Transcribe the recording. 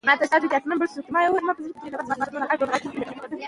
ستاسو معززو په راتګ